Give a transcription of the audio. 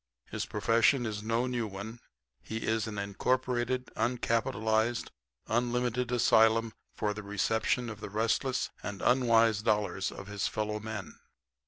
His profession is no new one. He is an incorporated, uncapitalized, unlimited asylum for the reception of the restless and unwise dollars of his fellow men.